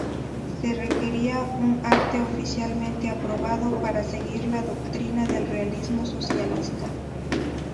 Se requería un arte oficialmente aprobado para seguir la doctrina del realismo socialista.